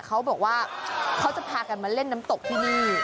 เขาบอกว่าเขาจะพากันมาเล่นน้ำตกที่นี่